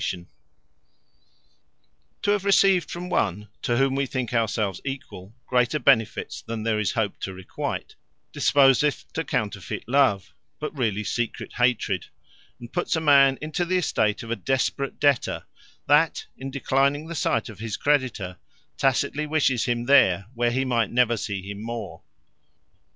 Hate, From Difficulty Of Requiting Great Benefits To have received from one, to whom we think our selves equall, greater benefits than there is hope to Requite, disposeth to counterfiet love; but really secret hatred; and puts a man into the estate of a desperate debtor, that in declining the sight of his creditor, tacitely wishes him there, where he might never see him more.